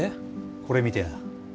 これ見てな。